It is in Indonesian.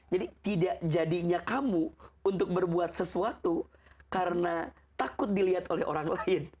jadi tidak jadinya kamu untuk berbuat sesuatu karena takut dilihat oleh orang lain